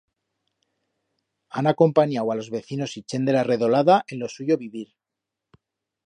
Han acompaniau a los vecinos y chent de la redolada en lo suyo vivir.